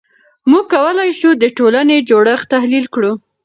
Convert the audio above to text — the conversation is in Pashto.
موږ کولای شو د ټولنې جوړښت تحلیل کړو.